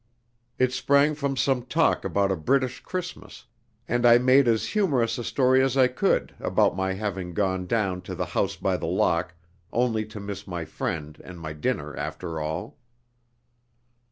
It sprang from some talk about a British Christmas, and I made as humorous a story as I could about my having gone down to the House by the Lock only to miss my friend and my dinner after all.